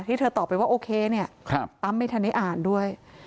ที่เธอตอบไปว่าโอเคเนี่ยตั้มไม่ทันได้อ่านด้วย